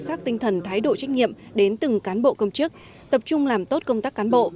sắc tinh thần thái độ trách nhiệm đến từng cán bộ công chức tập trung làm tốt công tác cán bộ